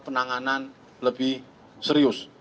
penanganan lebih serius